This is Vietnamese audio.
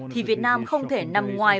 thì việt nam không thể nằm ngoài